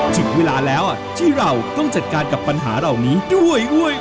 ถึงเวลาแล้วที่เราต้องจัดการกับปัญหาเหล่านี้ด้วย